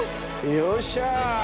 よっしゃ！